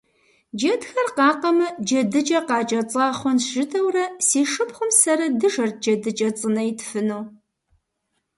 Джэдхэр къакъэмэ, «джэдыкӏэ къакӏэцӏа хъунщ» жытӏэурэ, си шыпхъум сэрэ дыжэрт джэдыкӏэ цӏынэ итфыну.